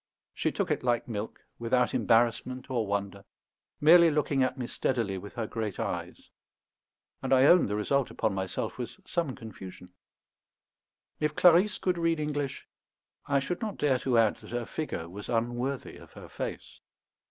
She took it like milk, without embarrassment or wonder, merely looking at me steadily with her great eyes; and I own the result upon myself was some confusion. If Clarisse could read English, I should not dare to add that her figure was unworthy of her face.